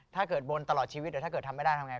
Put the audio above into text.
ถ้าเกิดบนตลอดชีวิตเดี๋ยวถ้าเกิดทำไม่ได้ทำไง